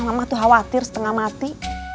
mama tuh khawatir setengah mati